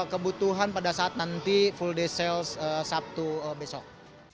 kebutuhan pada saat nanti full day sale sabtu besok